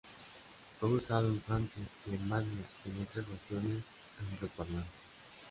Fue usado en Francia, Alemania, y en otras naciones angloparlantes.